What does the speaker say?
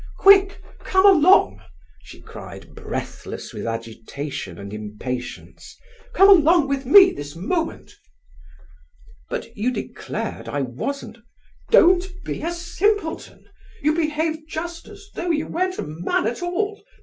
"Quick—come along!" she cried, breathless with agitation and impatience. "Come along with me this moment!" "But you declared I wasn't—" "Don't be a simpleton. You behave just as though you weren't a man at all.